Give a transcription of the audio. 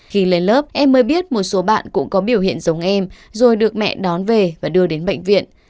khi lên lớp em mới biết một số bạn cũng có biểu hiện giống em rồi được mẹ đón về và đưa đến bệnh viện